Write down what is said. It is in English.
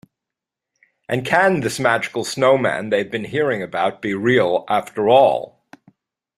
And can this magical snowman they've been hearing about be real after all?